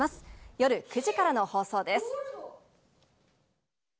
夜９時からの放送です。